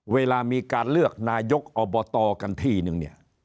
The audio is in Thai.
เวลามีการเลือกนายกอบตกันที่นึงเนี่ย